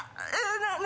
何？